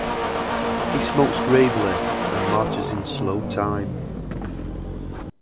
He smokes gravely and marches in slow time.